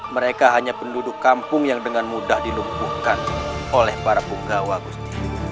mereka hanya penduduk kampung yang dengan mudah dilumpuhkan oleh para punggawa gus